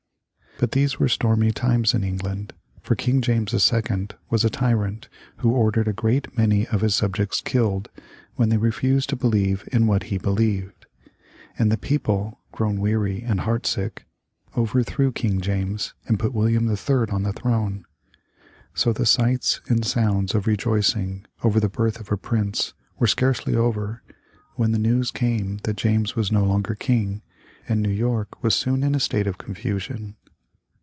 But these were stormy times in England, for King James II. was a tyrant who ordered a great many of his subjects killed when they refused to believe in what he believed. And the people, grown weary and heartsick, overthrew King James and put William III. on the throne. So the sights and sounds of rejoicing over the birth of a prince were scarcely over, when the news came that James was no longer King, and New York was soon in a state of confusion.